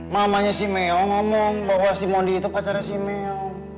mamanya si meo ngomong bahwa si mondi itu pacarnya si meo